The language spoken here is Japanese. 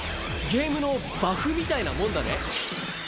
ゲームのバフみたいなもんだね。